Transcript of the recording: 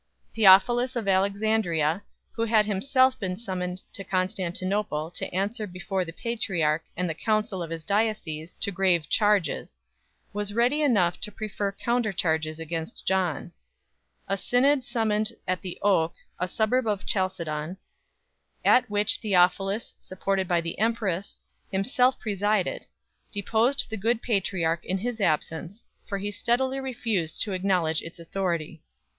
Theophilus of Alexandria, who had himself been summoned to Constantinople to answer before the patri arch and the council of his diocese to grave charges, was ready enough to prefer counter charges against John. A synod summoned at The Oak, a suburb of Chalcedon, at which Theophilus, supported by the empress, himself presided, deposed the good patriarch in his absence, for he steadily refused to acknowledge its authority.